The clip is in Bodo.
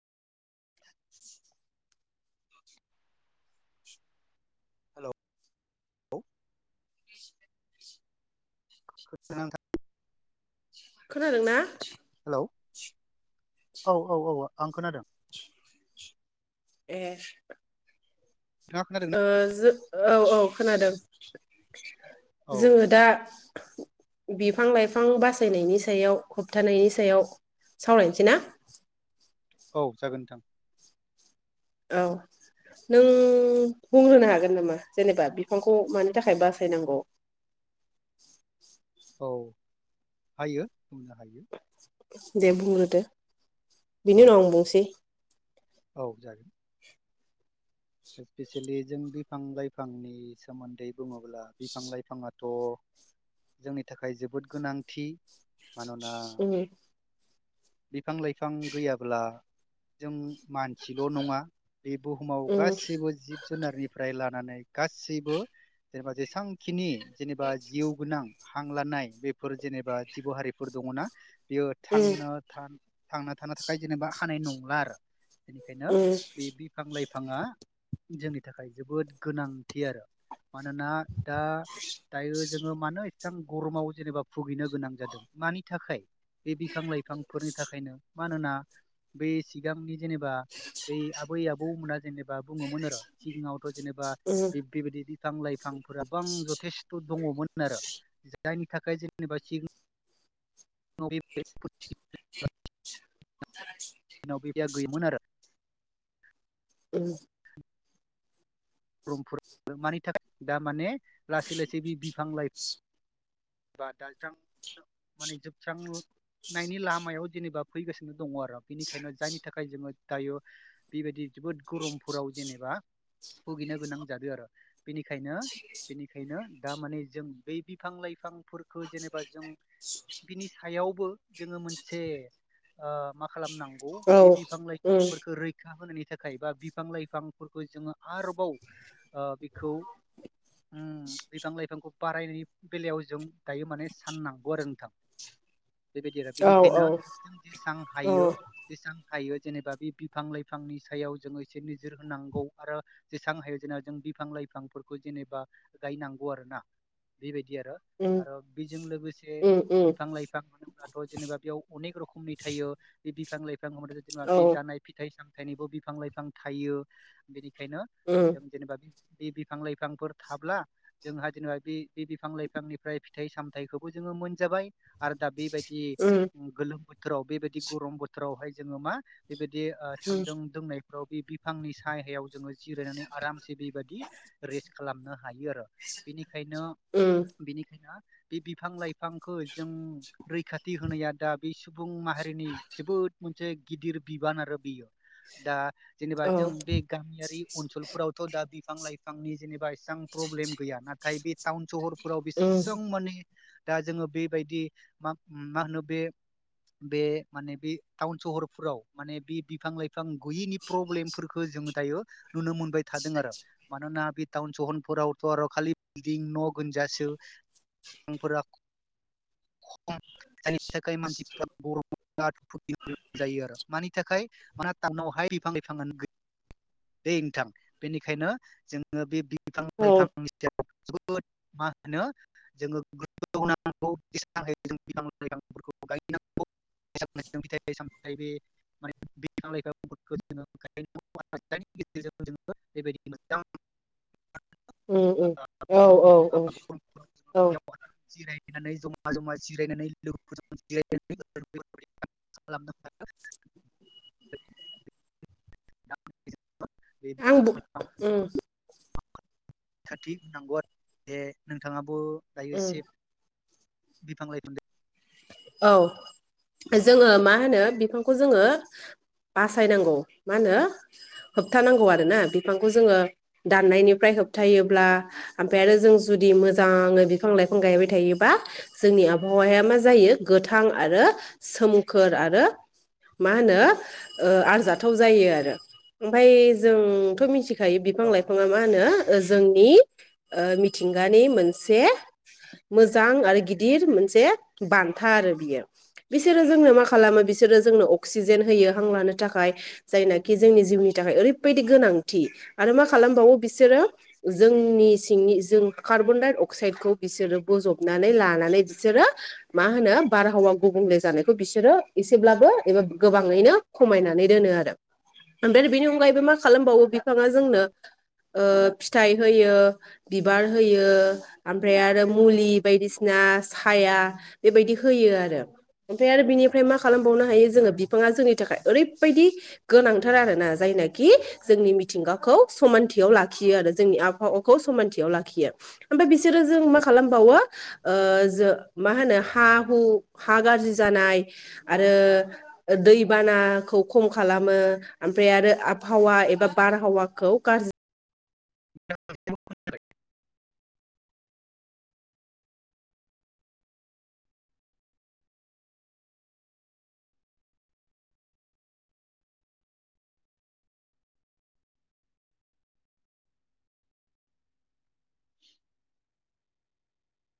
[inaudible] हेलौ [inaudible] [unintelligible] खोनादों ना? हेलौ औ औ औ आं खोनादों। ए नोंथाङा खोनादोंना ओ जो औ औ खोनादों। औ जोङो दे दा बिफां लाइफां बासायनायनि सायाव होबथानायनि सायाव सावरायनोसै ना? औ जागोन नोंथां। औ। नों बुंग्रोनो हागोन नामा जेनेबा बिफांखौ मानि थाखाय बासायनांगौ? [inaudible] औ हायो बुंनो हायो। दे बुंग्रोदो औ बिनि उनाव आं बुंसै। औ जागोन। इसपिसियेलि जों बिफां लाइफांनि सोमोन्दै बुङोब्ला बिफां लाइफाङाथ' जोंनि थाखाय जोबोद गोनांथि मानोना उम बिफां लाइफां गैयाब्ला जों मानसिल' नङा बे बुहुमा उम गासैबो जिब जुनारनिफ्राय लानानै गासैबो जेनेबा जेसांखिनि जेनेबा जिउ गोनां हां लानाय बेफोर जेनेबा जिब' हारिफोर दङना बियो उम थांनो थानो थांना थानो थाखाय जेनेबा हानाय नंला आरो बेनिखायनो उम बे बिफां लाइ फाङा जोंनि थाखाय जोबोद गोनांथि आरो मानोना दा टा [unintelligible] जोङो मानो एसेबां गरमाव जेनेबा भुगिनो गोनां जादों मानि थाखाय? बे बिफां लाइफांफोरनि थाखायनो मानोना बे सिगांनि जेनेबा बै आबै आबौ मोना जेनेबा बुङोमोन आरो सिगाङावथ' जेनेबा उम बिब बेबायदि बिफां-लाइफां फोराबां जथेस्थ' दङमोन आरो जायनि थाखाय जेनेबा सि [unintelligible] [unintelligible] गैयोमोन आरो [unintelligible] उम रामपुर मानि थाखाय दा माने लासै लासै बि बिफां लाइफां [unintelligible] नायनि लामायाव जेनेबा फैगासिनो दङ आरो बेनिखायनो जायनि थाखाय जोङो दायो बेबायदि जोबोद गरमफोराव जेनेबा भुगिनो गोनां जादों आरो बेनिखायनो बेनिखायनो दा माने जों बै बिफां लाइफांफोरखौ जेनेबा जों बिनि सायावबो जोङो मोनसे ओ मा खालामनांगौ औ बे बिफां उम लाइफांफोरखौ रैखा होनायनि थाखाय बा बिफां लाइफांफोरखौ जोङो आरोबाव ओ बेखौ ओ बिफां लाइफांखौ बारायनायनि बेलायाव जों दायो माने साननांगौ आरो नोंथां [inaudible] बेबायदि आरो औ औ बेनिखायनो जों जेसां औ हायो एसां हायो जेनेबा बे बिफां लाइफांनि सायाव जोङो एसे नोजोर होनांगौ आरो जेसां हायो जेन जों बिफां लाइफांफोरखौ जेनेबा गायनांगौ आरो ना बेबायदि बि आरो उम आरो बेजों लोगोसे उम उम बिफां लाइफां मोनोब्लाथ' जेनेबा बेयाव अनेक रखमनि थायो [unintelligible] बे बिफां लाइफां जुदि ना औ बे जानाय फिथाइ सामथाइनिबो बिफां लाइफां थायो बेनिखायनो उम जों जेनेबा बि बे बिफां लाइफांफोर थाब्ला जोंहा जेनेबा बे बिफां लाइफांनिफ्राय फिथाइ सामथाइखौबो जों मोनजाबाय आरो दा बेबायदि उम दि गोलोम बोथोराव बेबायदि गरम बोथोरावहाय जोङो मा बेबाय बे ओ उम सान्दुं दोंनायफ्राव बे बिफांनि साहायाव जोङो जिरायनानै आरामसे बेबायादि रेस्ट खालामनो हायो आरो बेनि बेनिखायनो उम बिनिखायनो बे बिफां लाइफांखौ जों रैखाथि होनाया दा बे सुबुं माहारिनि जोबोद मोनसे गिदिर बिबान आरो बियो दा जेनेबा औ जों बे गामियारि ओनसोलफोरावथ' दा बिफां लाइफांनि जेनेबा इसेबां प्रब्लेम गैया नाथाय बे टाउन सहर फोराव उम बेसेबां माने दा जोङो बेबायदि मा मा होनो बे बे माने बे टाउन सहरफोराव माने बे बिफां लाइफां गैयैनि प्रब्लेमफोरखौ जोङो दायो नुनो मोनबाय थादों आरो मानोना बे टाउन सहरफोरावथ' आरो खालि बिल्डं न' गोनजासोंफोरा [unintelligible] [inaudible] [unintelligible] जायो आरो मानि थाखाय म [unintelligible] टावनावहाय बिफां लाइफांआनो गैया ओय नोंथां बेनिखायनो जोङो बे बिफां औ लाइफां सायाव जोबोद माहोनो जोङो [unintelligible] गायनांगौ। [unintelligible] [unintelligible] उम-उम औ-औ-औ। [unintelligible] जमा जमा जिरायनानै लोगोफोरजों [unintelligible] [inaudible] [unintelligible] आंबो उम खाथि [unintelligible] नांगौ आरो जे नोंथाङाबो दायो उम एसे बिफां लाइफां औ जोङो मा होनो बिफांखौ जोङो बासायनांगौ मा होनो होबथानांगौ आरोना बिफांखौ जोङो दाननायनिफ्राय होबथायोब्ला ओमफ्राय आरो जों जुदि मोजाङै बिफां लाइफां गायबाय थायोबा जोंनिया आबावाया मा जायो गोथां आरो सोमखोर आरो मा होनो ओ आरजाथाव जायो आरो ओमफ्राय जोंथ' मिथि खायो बिफां औ लाइफाङा मा होनो जोंनि मिथिंगानि मोनसे मोजां आरो गिदिर मोनसे बान्था आरो बियो बिसोरो जोंनो मा खालामो बिसोरो जोंनो अक्सिजेन होयो हां लानो थाखाय। जायनाखि जोंनि जिउनि थाखाय ओरैबायदि गोनांथि आरो मा खालामबावो बिसोरो जों जोंनि सिंनि जों कार्बन डाइ अक्साइदखौ बिसोरो बज'बनानै लानानै बिसोरो मा होनो बारहावा गुबुंले जानायखौ बिसोरो एसेब्लाबो एबा गोबाङैनो खमायनानै दोनो। आरो ओमफ्राय बिनि अनगायैबो मा खालामबावो बिफाङा जोंनो ओ फिथाइ होयो बिबार होयो ओमफ्राय आरो मुलि बायदिसिना बायसिना साया बेबायदि होयो आरो। ओमफ्राय आरो बिनिफ्राय मा खालामबावनो हायो जोङो बिफाङा जोंनि थाखाय ओरैबायदि गोनांथार आरो ना जाय जायनोखि जोंनि मिथिंगाखौ समानथियाव लाखियो आरो जोंनि आबहावाखौ समानथियाव लाखियो। ओमफ्राय बिसोरो जों मा खालामबावो ओ जो मा होनो हा हु हा गाज्रि जानाय आरो दैबानाखौ खम खालाम खालामो ओमफ्राय आरो आबहावा एबा बारहावाखौ गाज्रि [unintelligible]